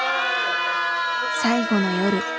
最後の夜。